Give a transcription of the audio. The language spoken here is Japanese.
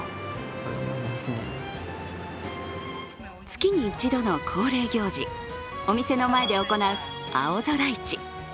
月に一度の恒例行事、お店の前で行う青空市。